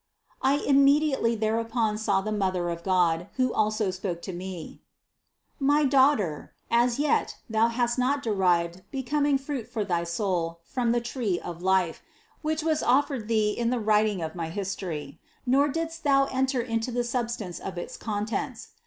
17. I immediately thereupon saw the Mother of God, who also spoke to me : "My daughter, as yet thou hast 18 INTRODUCTION not derived becoming fruit for thy soul from the tree of life, which was offered thee in the writing of my history, nor didst thou enter into the substance of its contents.